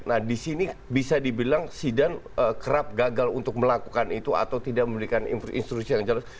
nah di sini bisa dibilang sidang kerap gagal untuk melakukan itu atau tidak memberikan instruksi yang jelas